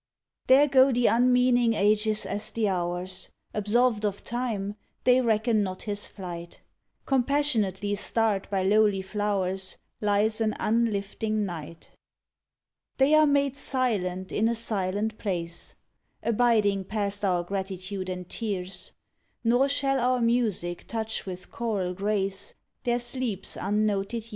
There go the unmeaning ages as the hours; Absolved of Time, they reckon not his flight, Compassionately starred by lowly flow rs, Lies an unlifting night. They are made silent in a silent place, Abiding past our gratitude and tears ; Nor shall our music touch with choral grace Their sleep s unnoted years.